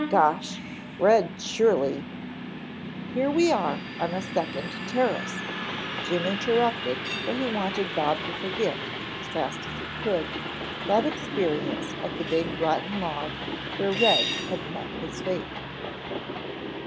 Gosh, Red surely " "Here we are on a second terrace," Jim interrupted for he wanted Bob to forget, as fast as he could, that experience at the rotten log where Red had met his fate.